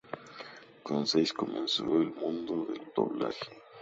Con seis, comenzó en el mundo del doblaje.